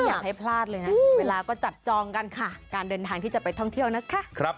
อยากให้พลาดเลยนะเวลาก็จับจองกันค่ะการเดินทางที่จะไปท่องเที่ยวนะคะ